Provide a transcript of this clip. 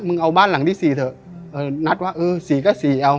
เอาบ้านหลังที่สี่เถอะเออนัดว่าเออสี่ก็สี่เอา